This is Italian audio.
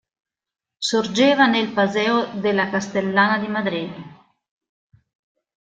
Sorgeva nel Paseo de la Castellana di Madrid.